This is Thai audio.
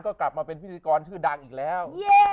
ก็กลับมาเป็นพิธีกรชื่อดังอีกแล้ว